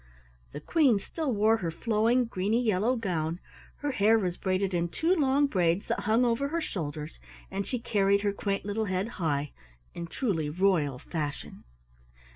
The Queen still wore her flowing greeny yellow gown, her hair was braided in two long braids that hung over her shoulders, and she carried her quaint little head high, in truly royal fashion.